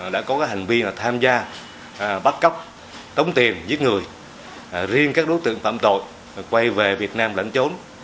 đã có hành vi tham gia bắt cóc tống tiền giết người riêng các đối tượng phạm tội quay về việt nam lẫn trốn